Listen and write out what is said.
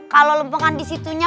kalau lempokan disitunya